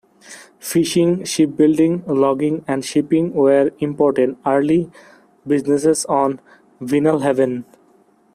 Fishing, shipbuilding, logging and shipping were important early businesses on Vinalhaven.